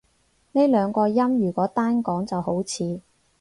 呢兩個音如果單講就好似